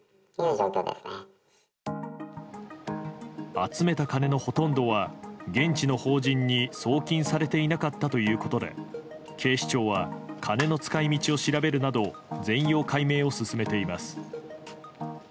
集めた金のほとんどは現地の法人に送金されていなかったということで警視庁は金の使い道を調べるなど全容解明を進めています。